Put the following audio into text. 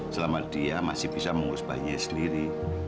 selama dia masih bisa mengurus bayinya sendiri